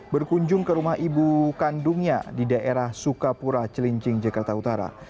berkunjung ke rumah ibu kandungnya di daerah sukapura celincing jakarta utara